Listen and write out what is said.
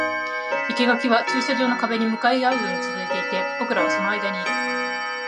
生垣は駐車場の壁に向かい合うように続いていて、僕らはその間にいる